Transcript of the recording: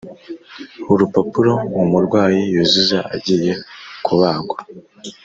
urupapuro umurwayi yuzuza agiye kubagwa